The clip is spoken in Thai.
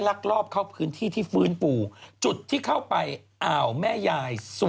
จริงที่เขาลงไปเขาก็ไม่ได้ดำแบบน้ำลึกอะ